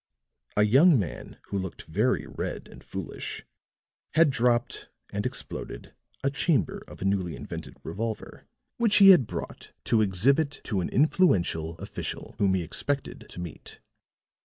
A young man, who looked very red and foolish, had dropped and exploded a chamber of a newly invented revolver, which he had brought to exhibit to an influential official whom he expected to meet.